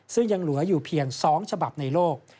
ซึ่งยังเหลืออยู่เพียง๒ฉบับในโลก